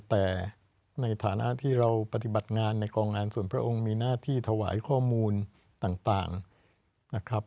แต่ในฐานะที่เราปฏิบัติงานในกองงานส่วนพระองค์มีหน้าที่ถวายข้อมูลต่างนะครับ